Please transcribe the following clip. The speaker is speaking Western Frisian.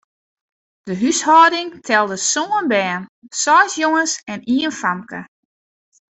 De húshâlding telde sân bern, seis jonges en ien famke.